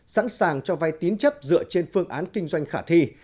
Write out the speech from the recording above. sẵn sàng cho vay tín chấp dựa trên phương án kinh doanh khả thi